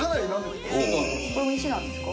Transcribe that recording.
これも石なんですか？